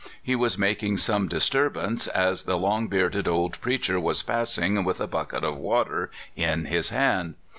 He was making some disturbance just as the long bearded old preacher was passing with a bucket of water in his hand.